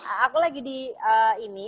aku lagi di ini